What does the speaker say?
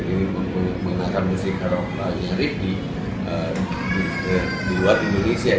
ini menggunakan musik haroklahnya rip di luar indonesia